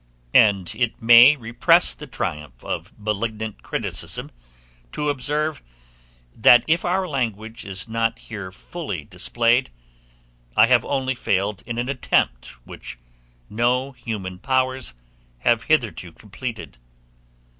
It may repress the triumph of malignant criticism to observe, that if our language is not here fully displayed, I have only failed in an attempt which no human powers have hitherto completed.